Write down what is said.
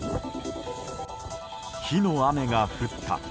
火の雨が降った。